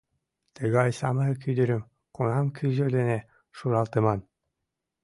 Тыгай самырык ӱдырым кунам кӱзӧ дене шуралтыман?